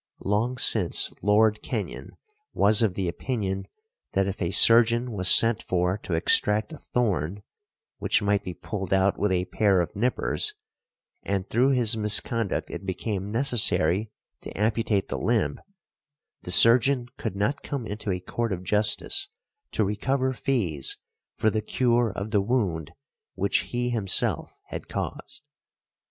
Long since Lord Kenyon was of the opinion that if a surgeon was sent for to extract a thorn, which might be pulled out with a pair of nippers, and through his misconduct it became necessary to amputate the limb, the surgeon could not come into a court of justice to recover fees for the cure of the wound which he himself had caused .